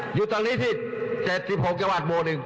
หยุดตรงนี้ที่เจ็บสิบหกจากวัตรโหมดหนึ่ง